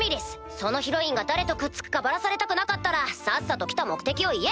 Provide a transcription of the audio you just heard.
そのヒロインが誰とくっつくかバラされたくなかったらさっさと来た目的を言え！